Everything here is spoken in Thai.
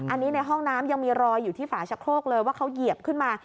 อันนี้ในห้องน้ำยังมีรอยอยู่ที่ฝาชะโครกเลยว่าเขาเหยียบขึ้นมา